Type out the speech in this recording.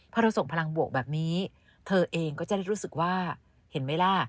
พอเราส่งพลังบวกแบบนี้เธอเองก็จะได้รู้สึกว่าเห็นไหมล่ะ